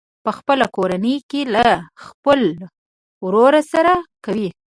په خپله کورنۍ کې له خپل ورور سره کوي.